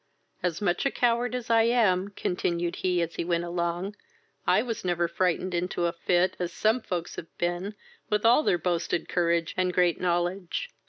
"As much a coward as I am, (continued he, as he went along,) I was never frightened into a fit as some folks have been with all their boasted courage and great knowledge."